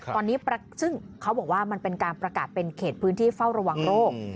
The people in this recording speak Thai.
ตอนนี้ซึ่งเขาบอกว่ามันเป็นการประกาศเป็นเขตพื้นที่เฝ้าระวังโรค